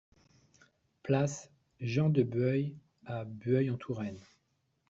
Place Jean de Bueil à Bueil-en-Touraine